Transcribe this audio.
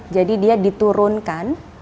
jadi dia diturunkan